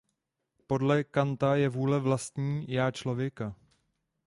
Podle Kanta je vůle „vlastní já člověka“.